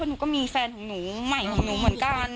หนูก็มีแฟนของหนูใหม่ของหนูเหมือนกัน